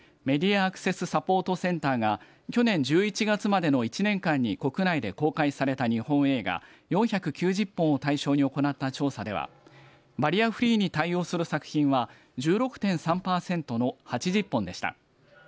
・アクセス・サポートセンターが去年１１月までの１年間に国内で公開された日本映画４９０本を対象に行った調査ではバリアフリーに対応する作品は１６．３パーセントの８０本でした。